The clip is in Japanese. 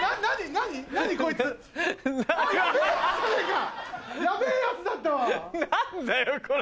何だよこれ。